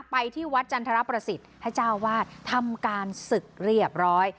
ไปที่วัดจันทรประสิทธิ์ให้เจ้าวาดทำการศึกเรียบร้อย